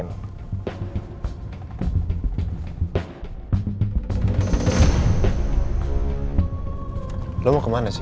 tapi ada masalah kerjaan gak mungkin